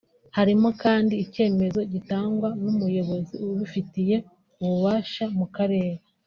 Harimo kandi icyemezo gitangwa n’umuyobozi ubifitiye ububasha mu Karere